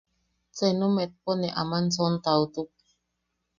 Senu mejpo ne ama sontaotuk.